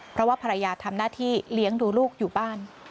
เพราะว่าภรรยาทำหน้าที่เลี้ยงดูลูกอยู่บ้าน